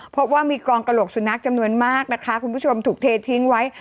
พบว่ามีกองกระโหลกสุนัขจำนวนมากนะคะคุณผู้ชมถูกเททิ้งไว้